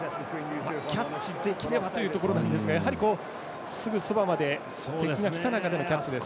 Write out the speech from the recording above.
キャッチできればというところなんですがやはり、すぐそばまで敵が来た中でのキャッチです。